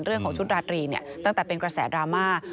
เรื่องของชุดราตรีเนี่ยตั้งแต่เป็นกระแสดราม่า